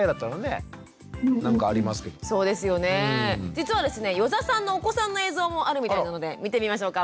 実はですね余座さんのお子さんの映像もあるみたいなので見てみましょうか。